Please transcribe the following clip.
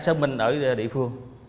xác minh ở địa phương